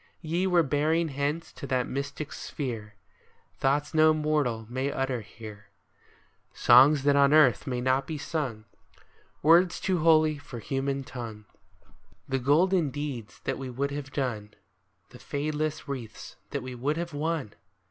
Ye were bearing hence to that mystic sphere Thoughts no mortal may utter here, — Songs that on earth may not be sung, — Words too holy for human tongue, — The golden deeds that we would have done, — The fadeless wreaths that we would have won